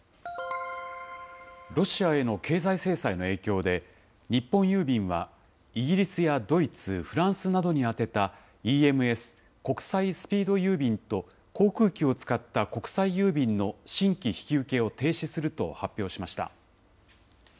ロシアへの経済制裁の影響で、日本郵便は、イギリスやドイツ、フランスなどに宛てたＥＭＳ・国際スピード郵便と航空機を使った国際郵便の新規引き受けを停止すると発表しました。